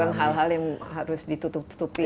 dengan hal hal yang harus ditutup tutupi